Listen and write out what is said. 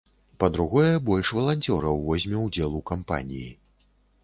Па-другое, больш валанцёраў возьме ўдзел у кампаніі.